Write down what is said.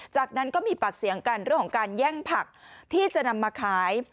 จากนั้นก็มีปากเสียงกันเรื่องของการแย่งผักที่จะนำมาขาย